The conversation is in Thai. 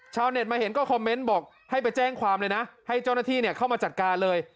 ชาวเน็ตมาเห็นก็คอมเมนต์บอกให้ไปแจ้งความเลยนะให้เจ้าหน้าที่เข้ามาจัดการเลย